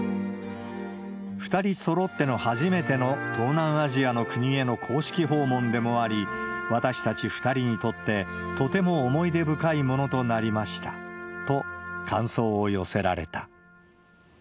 ２人そろっての初めての東南アジアの国への公式訪問でもあり、私たち２人にとって、とても思い出深いものとなりましたと感想を寄せられた。